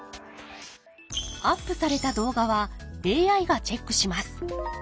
アップされた動画はＡＩがチェックします。